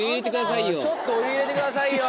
ちょっとお湯入れてくださいよ！